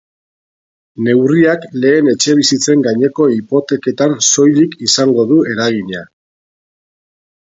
Neurriak lehen etxebizitzen gaineko hipoteketan soilik izango du eragina.